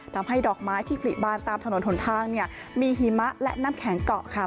ทำให้ดอกไม้ที่ผลิบานตามถนนหนทางเนี่ยมีหิมะและน้ำแข็งเกาะค่ะ